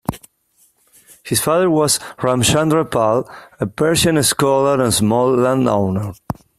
His father was Ramchandra Pal, a Persian scholar and small landowner.